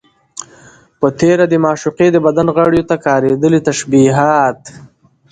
په تېره، د معشوقې د بدن غړيو ته کارېدلي تشبيهات